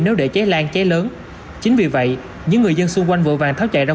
nếu để cháy lan cháy lớn chính vì vậy những người dân xung quanh vội vàng tháo chạy ra